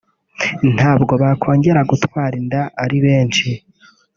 ntabwo bakongera gutwara inda ari benshi